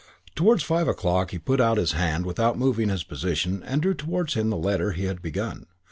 Towards five o'clock he put out his hand without moving his position and drew towards him the letter he had begun.